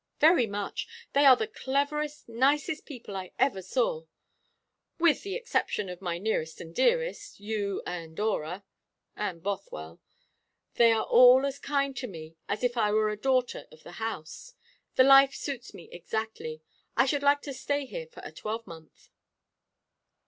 "Very much. They are the cleverest, nicest people I ever knew with the exception of my nearest and dearest, you and Dora and Bothwell. They are all as kind to me as if I were a daughter of the house. The life suits me exactly. I should like to stay here for a twelvemonth."